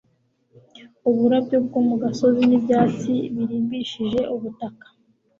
Uburabyo bwo mu gasozi n'ibyatsi birimbishije ubutaka,